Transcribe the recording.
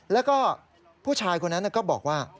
แล้วก็ผู้ชายคนนั้นก็บอกว่า